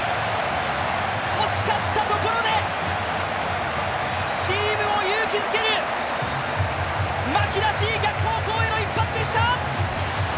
欲しかったところで、チームを勇気づける牧らしい逆方向への一発でした。